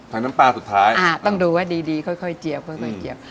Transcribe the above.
ใส่น้ำปลาสุดท้ายอ่ะต้องดูว่าดีค่อยเจียว